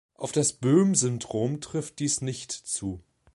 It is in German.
Auf das Boehm-Syndrom trifft dies nicht zu.